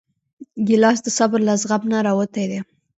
ګیلاس د صبر له زغم نه راوتی دی.